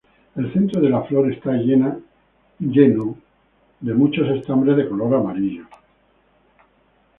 El centro de la flor está llena de muchos estambres de color amarillo.